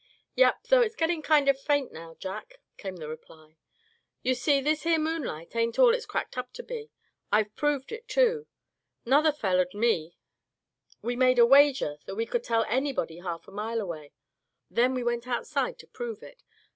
"Yep, though it's getting kind of faint now, Jack," came the reply. "You see, this here moonlight ain't all it's cracked up to be. I've proved it, too. 'Nother feller'd me we made a wager that we could tell anybody half a mile away; then we went outside to prove it!